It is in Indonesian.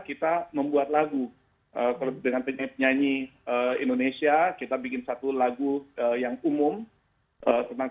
kita membuat lagu kalau dengan penyanyi penyanyi indonesia kita bikin satu lagu yang umum tentang